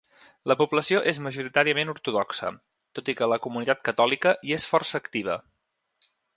La població és majoritàriament ortodoxa, tot i que la comunitat catòlica hi és força activa.